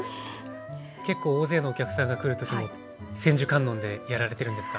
結構大勢のお客さんが来る時も千手観音でやられてるんですか？